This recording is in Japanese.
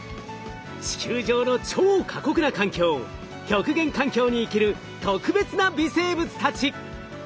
地球上の超過酷な環境極限環境に生きる特別な微生物たち！